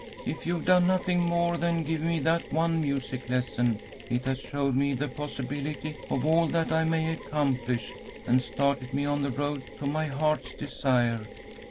"If you've done nothing more than give me that one music lesson, it has showed me the possibility of all that I may accomplish, and started me on the road to my heart's desire.